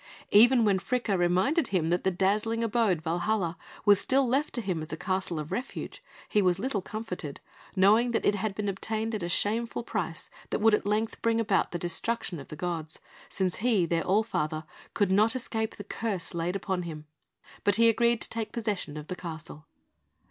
Even when Fricka reminded him that the dazzling abode, Valhalla, was still left to him as a Castle of Refuge, he was little comforted, knowing that it had been obtained at a shameful price that would at length bring about the destruction of the gods, since he, their All Father, could not escape the curse laid upon him; but he agreed to take possession of the castle.